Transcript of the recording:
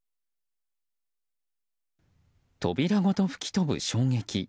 扉ごと吹き飛ぶ衝撃。